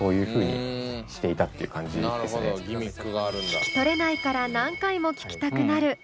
聴き取れないから何回も聴きたくなる。